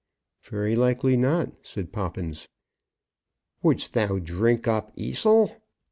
"Very likely not," said Poppins. "Would'st thou drink up Esil?